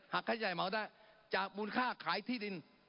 หากใช้จ่ายเหมาได้จากมูลค่าขายที่ดิน